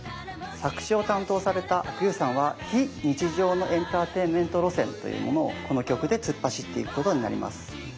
作詞を担当された阿久悠さんは非日常のエンターテインメント路線というものをこの曲で突っ走っていくことになります。